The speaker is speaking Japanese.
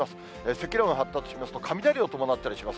積乱雲発達しますと、雷を伴ったりします。